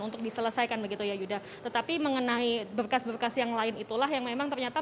untuk diselesaikan begitu ya yuda tetapi mengenai berkas berkas yang lain itulah yang memang ternyata